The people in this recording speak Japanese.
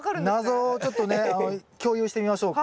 謎をちょっとね共有してみましょうか。